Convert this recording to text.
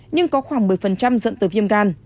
nhưng có khoảng một mươi dẫn tới viêm gan